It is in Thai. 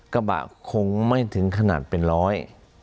กระบะคงไม่ถึงขนาดเป็นร้อย